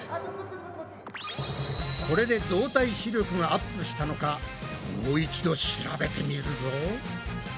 これで動体視力がアップしたのかもう一度調べてみるぞ。